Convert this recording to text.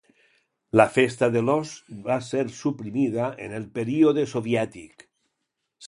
La Festa de l'Ós va ser suprimida en el període soviètic.